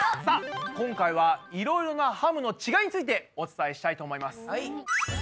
さあ今回はいろいろなハムのちがいについてお伝えしたいと思います。